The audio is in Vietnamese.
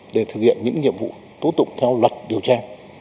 để thực hiện những nhiệm vụ tố tụng theo luật điều tra